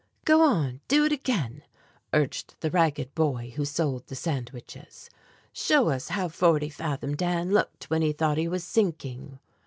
"Go on, do it again," urged the ragged boy who sold the sandwiches, "show us how Forty Fathom Dan looked when he thought he was sinking.